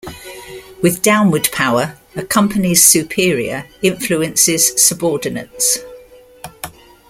With downward power, a company's superior influences subordinates.